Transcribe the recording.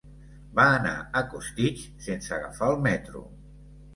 Va anar a Costitx sense agafar el metro.